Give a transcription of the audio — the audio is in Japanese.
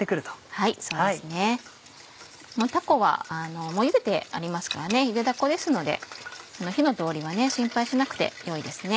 たこはもうゆでてありますからゆでだこですので火の通りは心配しなくてよいですね。